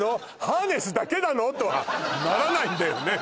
ハーネスだけなの！？とはならないんだよね